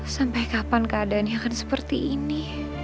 sampai kapan keadaannya akan seperti ini